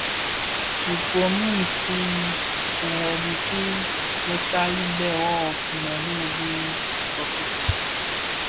Dhi komid firebèn fi bekali bè woowoksi mëree bi bë kodo.